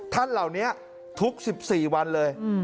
ท่านเหล่านี้ทุก๑๔วันเลย